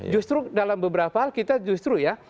justru dalam beberapa hal kita justru ya